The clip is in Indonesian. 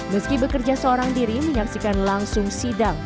meski bekerja seorang diri menyaksikan langsung sidang